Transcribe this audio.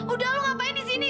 udah lo ngapain disini